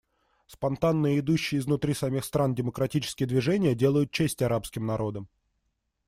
Спонтанные и идущие изнутри самих стран демократические движения делают честь арабским народам.